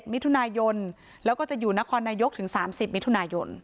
มิถุนายนแล้วก็จะอยู่นครนายกถึง๓๐มิถุนายน